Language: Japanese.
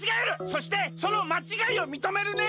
そしてそのまちがいをみとめるね！